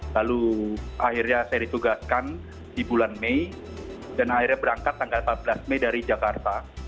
lalu akhirnya saya ditugaskan di bulan mei dan akhirnya berangkat tanggal empat belas mei dari jakarta